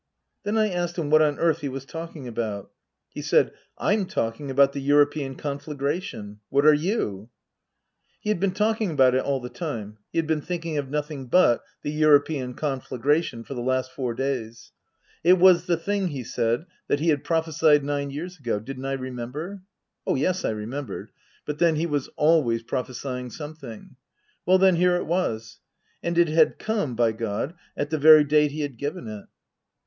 Then I asked him what on earth he was talking about. He said, " I'm talking about the European conflagra tion. What are you ?" He had been talking about it all the time, he had been thinking of nothing but the European conflagration for the last four days. It was the thing, he said, that he had prophesied nine years ago didn't I remember ? (Oh, yes, I remembered ; but then, he was always prophesying some thing.) Well then, here it was. And it had come, by God, at the very date he had given it.